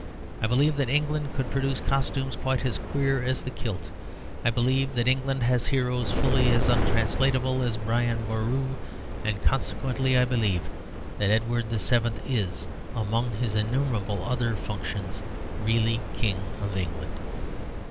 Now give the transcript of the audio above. I believe that England could produce costumes quite as queer as the kilt; I believe that England has heroes fully as untranslateable as Brian Boru, and consequently I believe that Edward VII. is, among his innumerable other functions, really King of England.